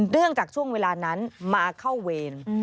เรื่องจากช่วงเวลานั้นมาเข้าเวร